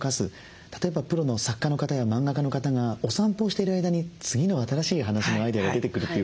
例えばプロの作家の方や漫画家の方がお散歩をしてる間に次の新しい話のアイデアが出てくるということをよくおっしゃいますが